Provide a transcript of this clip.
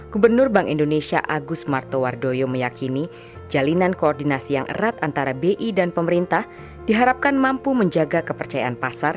gubernur bank indonesia agus martowardoyo meyakini jalinan koordinasi yang erat antara bi dan pemerintah diharapkan mampu menjaga kepercayaan pasar